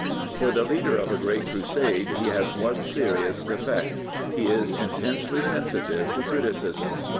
For the leader of a great crusade, he has one serious defect. He is intensely sensitive to criticism.